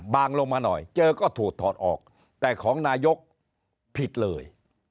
ลงมาหน่อยเจอก็ถูกถอดออกแต่ของนายกผิดเลย